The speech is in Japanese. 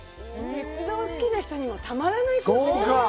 鉄道が好きな人にもたまらないコース。